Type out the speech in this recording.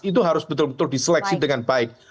itu harus betul betul diseleksi dengan baik